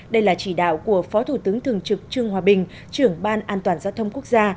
đây là chỉ đạo của phó thủ tướng thường trực trương hòa bình trưởng ban an toàn giao thông quốc gia